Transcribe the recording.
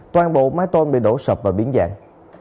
toàn bộ mái tôn bị đổ sập và biến dạng